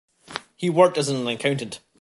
He worked as an accountant.